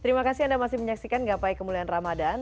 terima kasih anda masih menyaksikan gapai kemuliaan ramadan